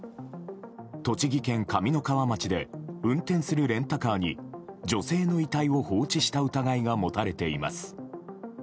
栃木県上三川町で運転するレンタカーに女性の遺体を放置した疑いが持たれています。